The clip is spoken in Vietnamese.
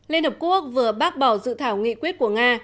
liên hợp quốc vừa bác bỏ dự thảo nghị quyết của nga